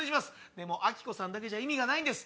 でもアキコさんだけじゃ意味がないんです。